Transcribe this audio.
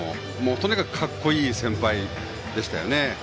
とにかく格好いい先輩でしたね。